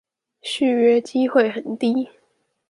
續約機會很低